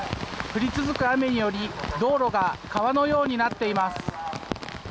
降り続く雨により、道路が川のようになっています。